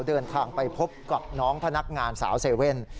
เดินทางไปพบกับน้องพนักงานสาวเซเว่น